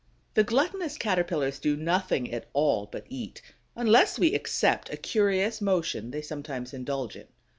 The gluttonous Caterpillars do nothing at all but eat, unless we except a curious motion they sometimes indulge in.